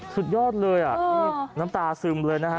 สุดยอดเลยน้ำตาซึมเลยนะคะ